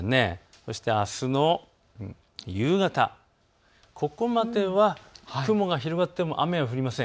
そして、あすの夕方、ここまでは雲が広がっても雨は降りません。